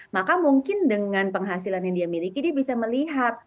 maka mungkin dengan penghasilan yang dia miliki dia bisa melihat